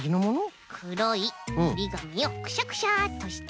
くろいおりがみをクシャクシャっとして。